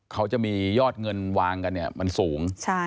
เขาจะมียอดเงินวางกันเนี่ยมันสูง